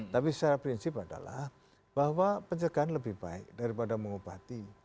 tapi secara prinsip adalah bahwa pencegahan lebih baik daripada mengobati